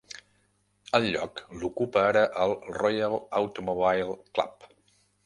El lloc l'ocupa ara el Royal Automobile Club.